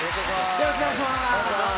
よろしくお願いします。